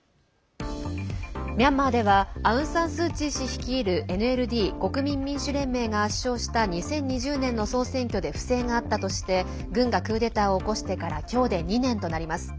ミャンマーではアウン・サン・スー・チー氏率いるＮＬＤ＝国民民主連盟が圧勝した２０２０年の総選挙で不正があったとして軍がクーデターを起こしてから今日で２年となります。